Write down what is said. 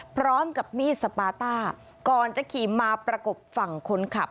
พร้อมกับมีดสปาต้าก่อนจะขี่มาประกบฝั่งคนขับ